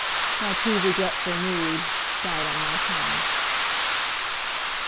My too regretful mood Died on my tongue.